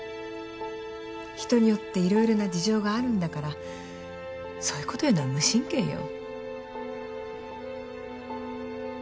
人によって色々な事情があるんだからそういうこと言うのは無神経よ。